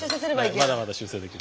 まだまだ修正できる。